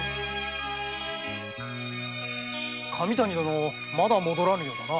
・神谷殿まだ戻らぬようだな。